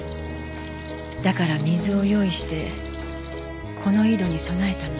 だから水を用意してこの井戸に供えたの。